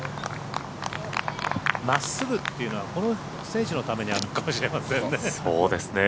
まっすぐというのはこの選手のためにあるのかもしれませんね。